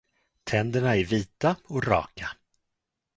Tänderna är vita och raka.